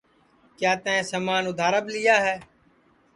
کیا تئیں سمان اُدھاراپ لیا ہے